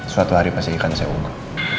suatu hari pasti ikan saya unggul